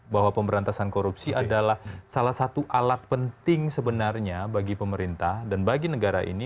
bahwa pemberantasan korupsi adalah salah satu alat penting sebenarnya bagi pemerintah dan bagi negara ini